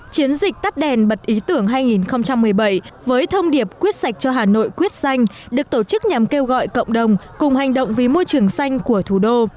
chiến dịch tắt đèn bật ý tưởng hai nghìn một mươi bảy với thông điệp quyết sạch cho hà nội quyết xanh được tổ chức nhằm kêu gọi cộng đồng cùng hành động vì môi trường xanh của thủ đô